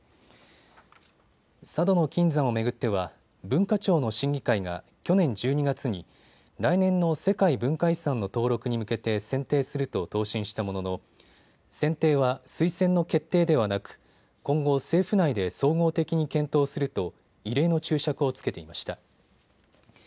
佐渡島の金山を巡っては文化庁の審議会が去年１２月に来年の世界文化遺産の登録に向けて選定すると答申したものの選定は推薦の決定ではなく今後、政府内で総合的に検討すると異例の注釈をつけていました。